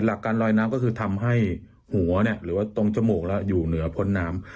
หลักการลอยน้ำก็คือทำให้หัวหรือว่าตรงจมูกแล้วอยู่เหนือพ้นน้ำ